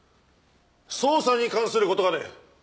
捜査に関する事かね？